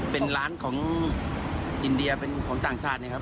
เป็นร้านของอินเดียเป็นของต่างชาตินะครับ